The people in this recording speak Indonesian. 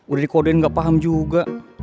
udah dikodein gak paham juga